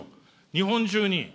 日本中に。